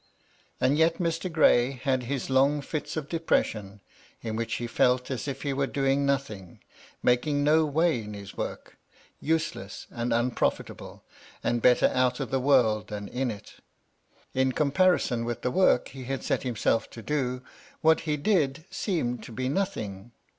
And yet Mr. Gray had his long fits of depression, in which he felt ag if he were doing nothing, making no way in his work, useless and unprofitable, and better out of the world than in it. In comparison with the work he had set himself to do, what he did seemed to be nothing.